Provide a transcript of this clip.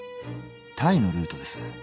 タイのルートです。